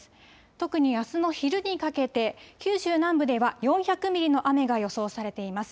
特にあすの昼にかけて九州南部では４００ミリの雨が予想されています。